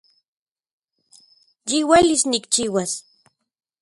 Yiuelis nikchiuas